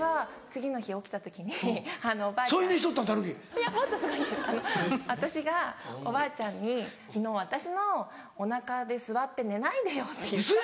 いやもっとすごいんです私がおばあちゃんに「昨日私のお腹で座って寝ないでよ」って言ったんですね。